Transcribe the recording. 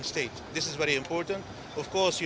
tentu saja kita akan berbicara tentang hal itu esok